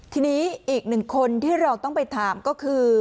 ทีนี้อีกหนึ่งคนที่เราต้องไปถามก็คือ